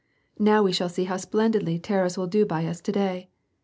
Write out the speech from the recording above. Now we shall see how splendidly Taras will do by us to day.